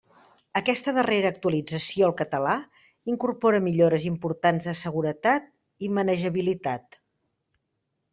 Aquesta darrera actualització al català incorpora millores importants de seguretat i manejabilitat.